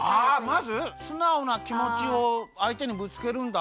まずすなおなきもちをあいてにぶつけるんだ。